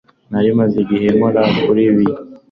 nari maze igihe nkora kuri ibi